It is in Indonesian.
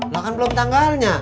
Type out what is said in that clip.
lah kan belum tanggalnya